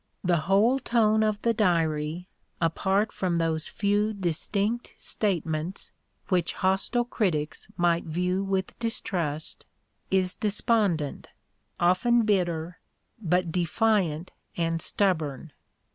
The whole tone of the Diary, apart from those few distinct statements which hostile critics might view with distrust, is despondent, often bitter, but defiant and stubborn.